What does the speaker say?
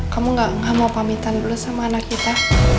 kamu gak mau pamitan dulu sama anak kita